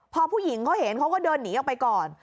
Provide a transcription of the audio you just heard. พอผู้หญิงเขาเห็นเขาก็เดินหนีออกไปก่อน